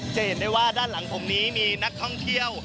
เจริญได้ว่าด้านหลังของนี้มีนักท่องเที่ยว